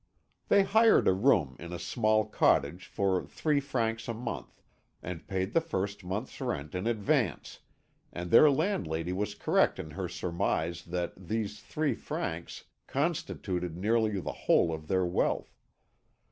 They hired a room in a small cottage for three francs a month, and paid the first month's rent in advance, and their landlady was correct in her surmise that these three francs constituted nearly the whole of their wealth.